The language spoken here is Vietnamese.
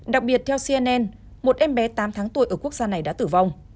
đặc biệt theo cnn một em bé tám tháng tuổi ở quốc gia này đã tử vong